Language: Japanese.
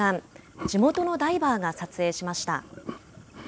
地元のダイバーが撮影しました。